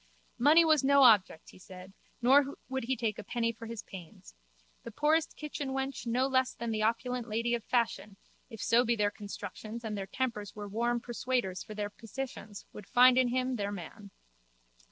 Money was no object, he said, nor would he take a penny for his pains. The poorest kitchenwench no less than the opulent lady of fashion, if so be their constructions and their tempers were warm persuaders for their petitions, would find in him their man.